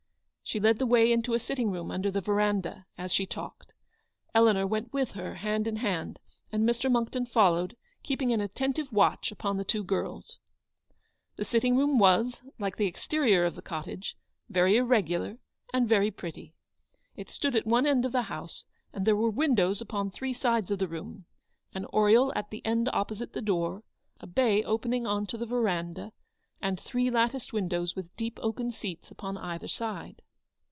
She led the way into a sitting room under the verandah, as she talked. Eleanor went with her, hand in hand, and Mr. Monckton followed, keep ing an attentive watch upon the two girls. The sitting room was, like the exterior of the cottage, very irregular and very pretty. It stood at one end of the house, and there were windows upon three sides of the room, — an oriel at the end opposite the door, a bay opening on to the verandah, and three latticed windows with deep oaken seats upon the other side.